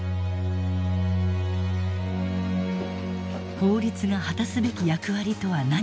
法律が果たすべき役割とは何か。